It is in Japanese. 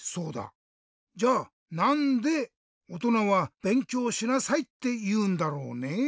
じゃあなんでおとなは「べんきょうしなさい」っていうんだろうねぇ？